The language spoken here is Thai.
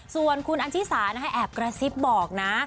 ส่วนคุณอันชิสานะคะแอบกระซิบบอกนะ